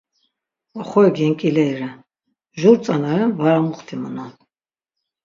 Oxori genk̆ileri ren, jur tzanaren var amuxtimunan.